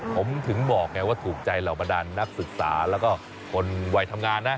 ผมถึงบอกไงว่าถูกใจเหล่าบรรดานนักศึกษาแล้วก็คนวัยทำงานนะ